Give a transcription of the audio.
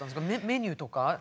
メニューとか？